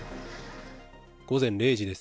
午前０時です。